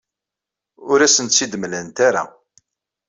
Ur asen-tt-id-mlant ara.